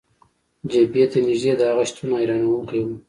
جبهې ته نژدې د هغه شتون، حیرانونکی و.